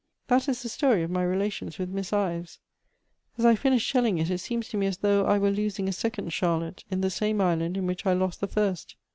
That is the story of my relations with Miss Ives. As I finish telling it, it seems to me as though I were losing a second Charlotte in the same island in which I lost the first.